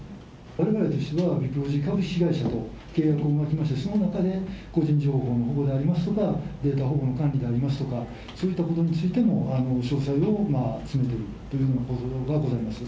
われわれとしましては、業務委託会社と契約を結びまして、その中で個人情報の保護でありますとか、データ保護の管理でありますとか、そういったことについても詳細を詰めているところがあります。